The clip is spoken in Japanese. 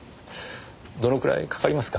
どのくらいかかりますか？